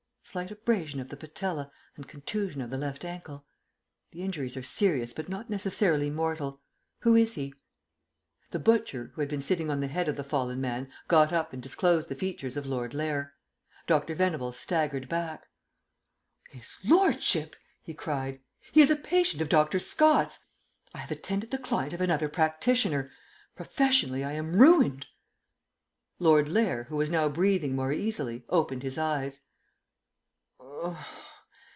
"Slight abrasion of the patella and contusion of the left ankle. The injuries are serious but not necessarily mortal. Who is he?" The butcher, who had been sitting on the head of the fallen man, got up and disclosed the features of Lord Lair. Dr. Venables staggered back. "His lordship!" he cried. "He is a patient of Dr. Scott's! I have attended the client of another practitioner! Professionally I am ruined!" Lord Lair, who was now breathing more easily, opened his eyes.